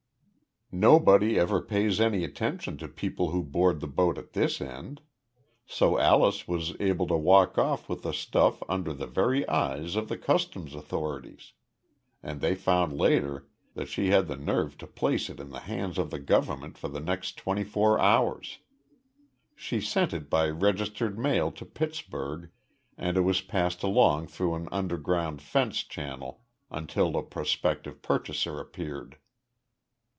Nobody ever pays any attention to people who board the boat at this end, so Alyce was able to walk off with the stuff under the very eyes of the customs authorities and they found later that she had the nerve to place it in the hands of the government for the next twenty four hours. She sent it by registered mail to Pittsburgh and it was passed along through an underground "fence" channel until a prospective purchaser appeared.